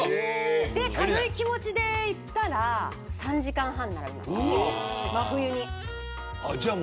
軽い気持ちで行ったら真冬に３時間半並びました。